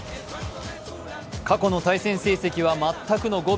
過去の対戦成績は全くの五分。